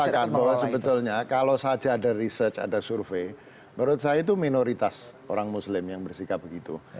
saya katakan bahwa sebetulnya kalau saja ada research ada survei menurut saya itu minoritas orang muslim yang bersikap begitu